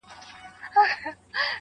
زه تر هغو پورې ژوندی يمه چي ته ژوندۍ يې.